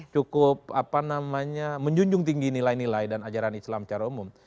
cukup menjunjung tinggi nilai nilai dan ajaran islam secara umum